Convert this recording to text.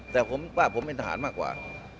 แต่ผมว่าผมเป็นทหารมากกว่า